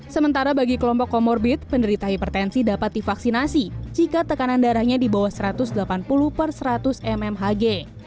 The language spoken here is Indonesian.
sementara bagi kelompok comorbid penderita hipertensi dapat divaksinasi jika tekanan darahnya di bawah satu ratus delapan puluh per seratus mmhg